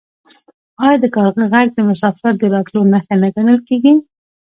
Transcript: آیا د کارغه غږ د مسافر د راتلو نښه نه ګڼل کیږي؟